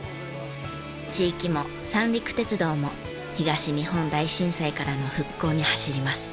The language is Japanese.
地域も三陸鉄道も東日本大震災からの復興に走ります。